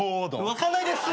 分かんないです！